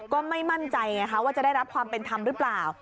ก็ไม่มั่นใจไงคะว่าจะได้รับความเป็นธรรมหรือเปล่า